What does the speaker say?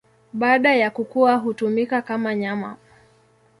Baada ya kukua hutumika kama nyama.